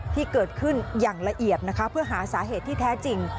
ที่เกิดขึ้นอย่างละเอียดนะคะเพื่อหาสาเหตุที่แท้จริง